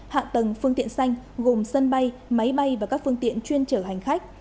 hạ tầng phương tiện xanh gồm sân bay máy bay và các phương tiện chuyên trở hành khách